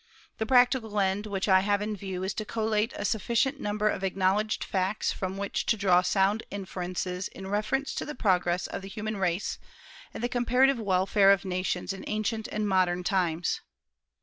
The practical end which I have in view is to collate a sufficient number of acknowledged facts from which to draw sound inferences in reference to the progress of the human race, and the comparative welfare of nations in ancient and modern times.